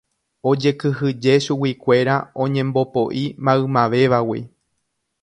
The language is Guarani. Ojekyhyje chuguikuéra oñembopoʼi maymavévagui.